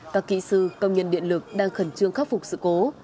các kỹ sư công nhân điện lực đang khẩn trương khắc phục sự cố